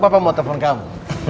baru papa mau telepon kamu